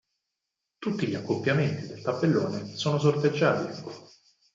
Tutti gli accoppiamenti del tabellone sono sorteggiati.